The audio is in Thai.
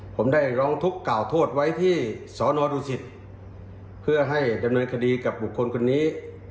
ผมได้ร้องทุกข์กล่าวโทษไว้ที่สอนอดุสิตเพื่อให้ดำเนินคดีกับบุคคลคนนี้